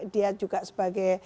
dia juga sebagai